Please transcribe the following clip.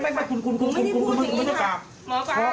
ไม่คุณไม่ต้องกลับ